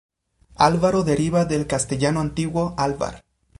Álvaro deriva del castellano antiguo Álvar.